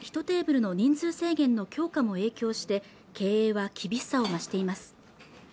１テーブルの人数制限の強化も影響して経営は厳しさを増しています